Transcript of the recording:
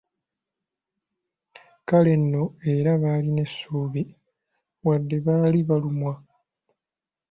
Kale nno era baalina essuubi wadde baali balumwa.